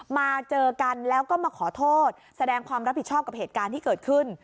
มาเจอกันแล้วก็มาขอโทษแสดงความรับผิดชอบกับเหตุการณ์ที่เกิดขึ้น